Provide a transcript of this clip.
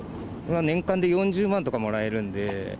年間で４０万とかもらえるんで。